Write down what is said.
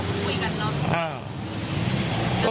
อื้อคุยกันเนอะ